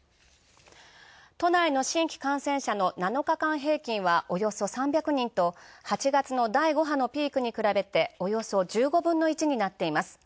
都内の新規感染者の７日間平均はおよそ３００人と８月の第５波のピークに比べておよそ１５分の１になっています。